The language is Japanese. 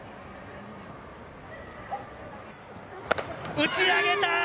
打ち上げた。